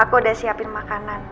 aku udah siapin makanan